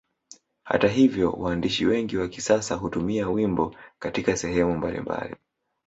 Hata hivyo waandishi wengi wa kisasa hutumia wimbo Katika sehemu mbalimbali